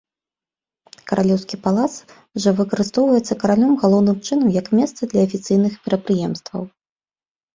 Каралеўскі палац жа выкарыстоўваецца каралём галоўным чынам як месца для афіцыйных мерапрыемстваў.